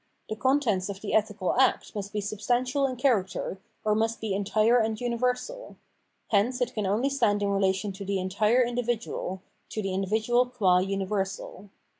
The content of the ethical act must be substantial in character, or must be entire and universal ; hence it can only stand in relation to the entire individual, to the individual gucc universal.